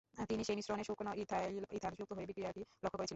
তিনি সেই মিশ্রণে শুকনো ইথাইল ইথার যুক্ত করে বিক্রিয়াটি লক্ষ্য করেছিলেন।